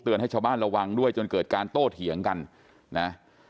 ให้ชาวบ้านระวังด้วยจนเกิดการโต้เถียงกันนะ